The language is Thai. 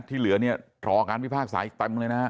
ที่เหลือเนี่ยรอการพิพากษาอีกเต็มเลยนะฮะ